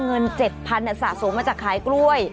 เงิน๗๐๐๐สะสมมาจากขายกล้วย